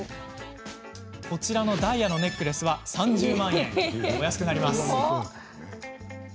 こちらのダイヤのネックレスは３０万円お安くなります。